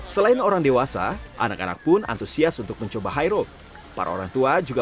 selain orang dewasa anak anak pun antusias untuk mencoba high road para orang tua juga